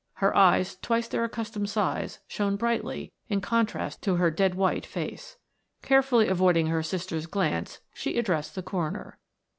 Her eyes, twice their accustomed size, shone brightly, in contrast to her dead white face. Carefully avoiding her sister's glance she addressed the coroner.